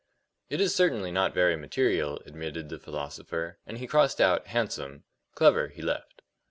"It is certainly not very material," admitted the philosopher, and he crossed out "handsome"; "clever" he left.